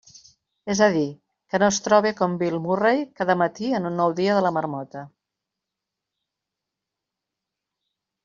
És a dir, que no es trobe com Bill Murray cada matí en un nou «dia de la marmota».